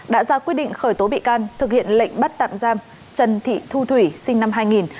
đã ra quyết định khởi tố bị can thực hiện lệnh bắt tạm giam trần thị thu thủy sinh năm hai nghìn